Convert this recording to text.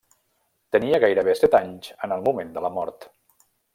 Tenia gairebé set anys en el moment de la mort.